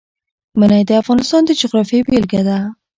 منی د افغانستان د جغرافیې بېلګه ده.